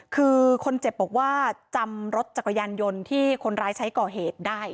คือคนเจ็บบอกว่าจำรถจักรยานยนต์ที่คนร้ายใช้ก่อเหตุได้